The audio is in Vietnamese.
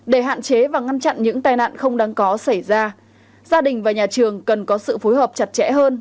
để hạn chế và ngăn chặn những tai nạn không đáng có xảy ra gia đình và nhà trường cần có sự phối hợp chặt chẽ hơn